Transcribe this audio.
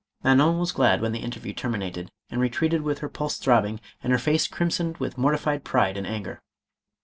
Manon was glad when the interview terminated, and retreated with her pulse throbbing and her face crimsoned with mortified pride and anger.